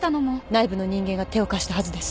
内部の人間が手を貸したはずです。